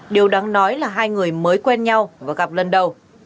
điều đáng nói là hai người mới quen nhau và gặp lần đầu